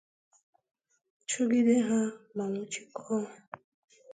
chụgide ha ma nwụchikọọ ha.